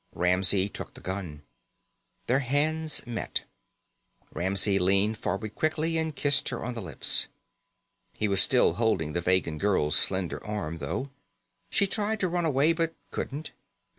Ramsey took the gun. Their hands met. Ramsey leaned forward quickly and kissed her on the lips. He was still holding the Vegan girl's slender arm, though. She tried to run away but couldn't.